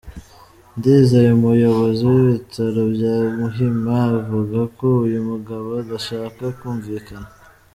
Ndizeye Umuyobozi w’ibitaro bya Muhima avuga ko uyu mugabo adashaka kumvikana.